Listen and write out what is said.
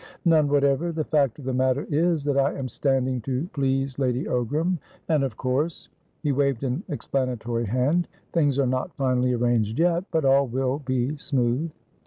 "None whatever. The fact of the matter is that I am standing to please Lady Ogram, and of course" He waved an explanatory hand. "Things are not finally arranged yet, but all will be smooth."